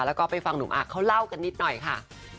แล้วก็ไปฟังหนุ่มอาร์เขาเล่ากันนิดหน่อยค่ะ